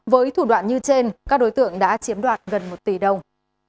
với thủ đoạn như trên các đối tượng đã chiếm đoạt gần một tỷ đồng